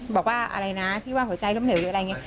บอกว่าอะไรนะพี่ว่าหัวใจเริ่มเหลวอะไรอย่างนี้